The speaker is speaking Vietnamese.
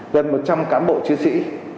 gần một trăm linh cán bộ chiến sĩ